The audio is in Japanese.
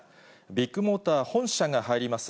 ビッグモーター本社が入ります